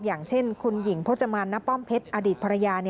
อย่างเช่นคุณหญิงพจมานณป้อมเพชรอดีตภรรยา